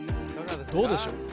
どうでしょう？